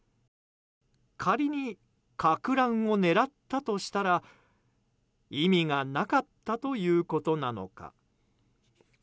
仮にかく乱を狙ったとしたら意味がなかったということなのか。